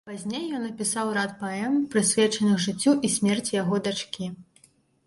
Пазней ён напісаў рад паэм, прысвечаных жыццю і смерці яго дачкі.